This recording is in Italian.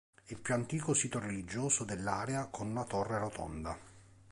È il più antico sito religioso dell'area con una torre rotonda.